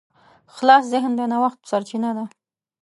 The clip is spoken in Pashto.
خلاص ذهن د نوښت سرچینه ده.